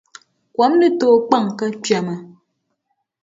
Kom ni tooi kpaŋ ka kpɛma.